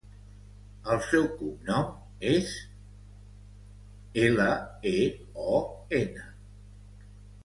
El seu cognom és Leon: ela, e, o, ena.